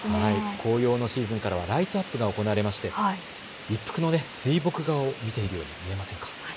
紅葉のシーズンからはライトアップが行われまして一幅の水墨画を見ているような気分になりませんか？